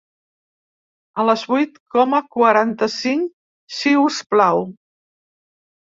A les vuit coma quaranta-cinc si us plau.